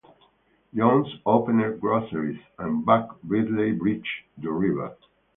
Jones opened groceries, and Jack Brickley bridged the river.